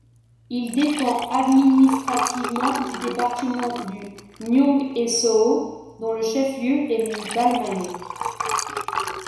Il dépend administrativement du département du Nyong-et-So’o, dont le chef-lieu est Mbalmayo.